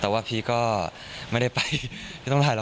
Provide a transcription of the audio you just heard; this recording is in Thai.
ว่าก็มาแลกับผม